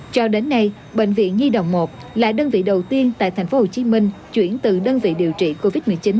cho đến nay bệnh viện nhi đồng một là đơn vị đầu tiên tại tp hcm chuyển từ đơn vị điều trị covid một mươi chín